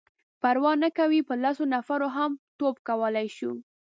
_پروا نه کوي،. په لسو نفرو هم توپ کولای شو.